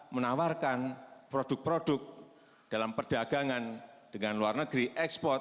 menawarkan produk produk dalam perdagangan dengan luar negeri ekspor